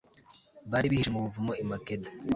bari bihishe mu buvumo i makeda